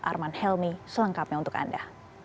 arman helmi selengkapnya untuk anda